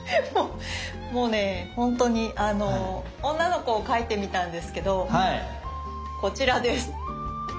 もうねほんとに女の子を描いてみたんですけどこちらです。